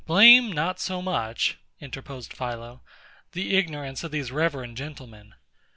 Blame not so much, interposed PHILO, the ignorance of these reverend gentlemen.